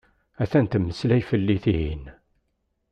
Atan temmeslay fell-i tihin.